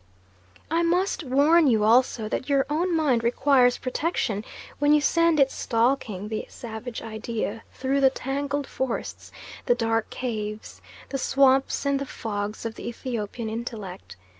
I must warn you also that your own mind requires protection when you send it stalking the savage idea through the tangled forests, the dark caves, the swamps and the fogs of the Ethiopian intellect.